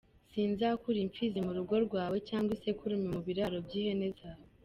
Sinzakura impfizi mu rugo rwawe, Cyangwa isekurume mu biraro by’ihene zawe.